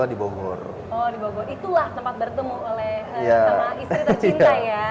oh di bogor itulah tempat bertemu oleh istri tak cinta ya